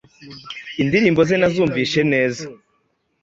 indirimbo ze narazumvishe neza